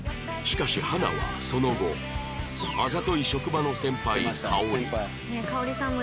しかし花はその後あざとい職場の先輩香織